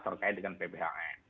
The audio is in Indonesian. terkait dengan pphn